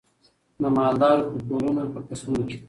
د مالدارو په کورونو په قصرو کي